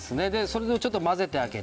それでちょっと混ぜてあげて。